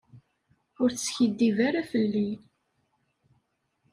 Ur teskiddib ara fell-i.